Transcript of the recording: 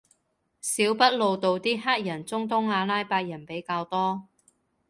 小北路度啲黑人中東阿拉伯人比較多